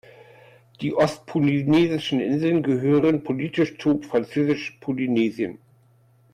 Die ostpolynesischen Inseln gehören politisch zu Französisch-Polynesien.